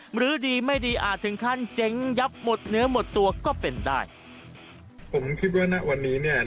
หรือดีไม่ดีอาจถึงขั้นเจ๋งยับหมดเนื้อหมดตัวก็เป็นได้